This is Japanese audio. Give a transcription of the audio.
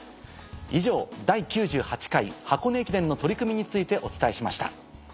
以上「第９８回箱根駅伝の取り組み」についてお伝えしました。